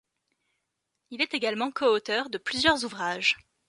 Il est également coauteur de plusieurs ouvrages.